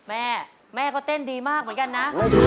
แม่แม่ก็เต้นดีมากเหมือนกันนะ